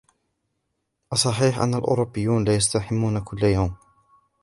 أصحيح أن الأوروبيين لا يستحمون كل يوم ؟